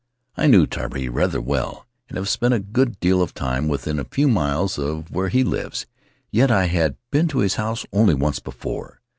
I know Tari rather well, and have spent a good deal of time within a few miles of where he lives, yet I had been in his house only once before.